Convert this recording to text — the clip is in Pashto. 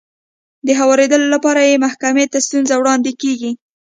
د هوارېدو لپاره يې محکمې ته ستونزه وړاندې کېږي.